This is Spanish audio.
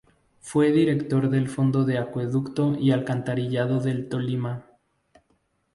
Fue director del Fondo de Acueducto y Alcantarillado del Tolima.